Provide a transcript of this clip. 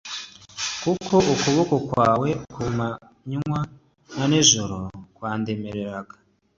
Kuko ukuboko kwawe ku manywa na nijoro kwandemereraga,